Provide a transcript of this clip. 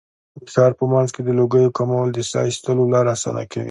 د ښار په منځ کې د لوګیو کمول د ساه ایستلو لاره اسانه کوي.